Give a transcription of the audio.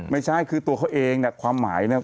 ไม่ใช่คือตัวเขาเองความหมายนี่